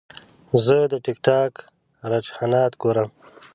زه د ټک ټاک رجحانات ګورم.